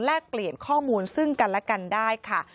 เปลี่ยนข้อมูลซึ่งกันและกันได้ค่ะ